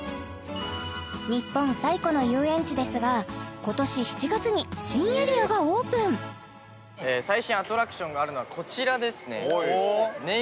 日本最古の遊園地ですが今年７月に新エリアがオープン最新アトラクションがあるのはこちらですね